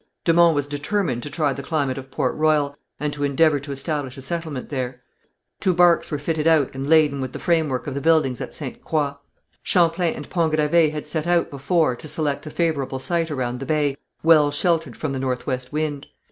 De Monts was determined to try the climate of Port Royal, and to endeavour to establish a settlement there. Two barques were fitted out and laden with the frame work of the buildings at Ste. Croix. Champlain and Pont Gravé had set out before to select a favourable site around the bay, well sheltered from the north west wind.